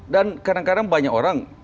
dan kadang kadang banyak orang